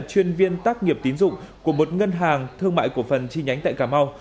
chuyên viên tác nghiệp tín dụng của một ngân hàng thương mại cổ phần chi nhánh tại cà mau